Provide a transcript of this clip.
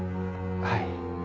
はい。